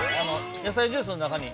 野菜ジュースの中に。